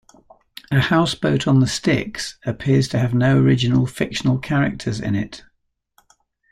"A House-Boat on the Styx" appears to have no original fictional characters in it.